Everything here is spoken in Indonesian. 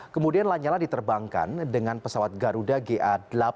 kemudian lanyala diterbangkan dengan pesawat garuda ga delapan ratus tiga puluh lima